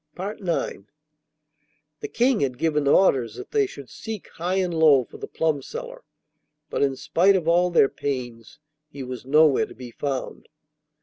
IX The King had given orders that they should seek high and low for the plum seller, but in spite of all their pains, he was nowhere to be found.